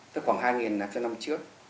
tới khoảng hai nghìn năm trước